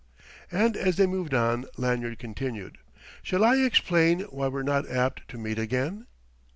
And as they moved on, Lanyard continued: "Shall I explain why we're not apt to meet again?"